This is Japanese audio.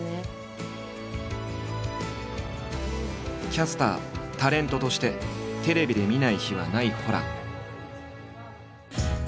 キャスタータレントとしてテレビで見ない日はないホラン。